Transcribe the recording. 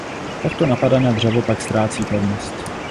Takto napadené dřevo pak ztrácí pevnost.